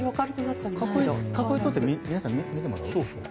囲いを取って皆さんに見てもらう？